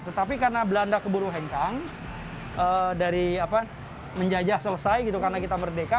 tetapi karena belanda keburu hengkang dari menjajah selesai gitu karena kita merdeka